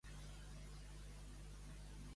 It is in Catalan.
Tirar guitzes contra l'agulló.